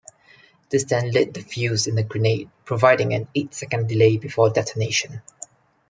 This then lit the fuse in the grenade, providing an eight-second delay before detonation.